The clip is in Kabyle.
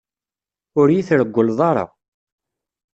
Ur yi-treggleḍ ara.